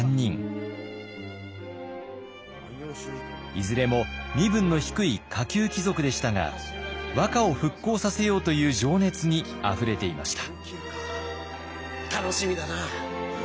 いずれも身分の低い下級貴族でしたが和歌を復興させようという情熱にあふれていました。